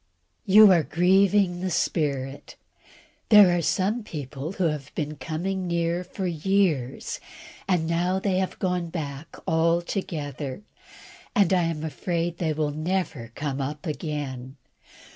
You are grieving the Spirit. There are some people who have been coming near for years, and now they have gone back altogether, and I am afraid they will never come up again.